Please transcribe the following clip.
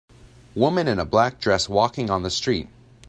Woman in a black dress walking on the street.